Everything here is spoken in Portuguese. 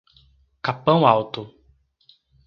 Capão Alto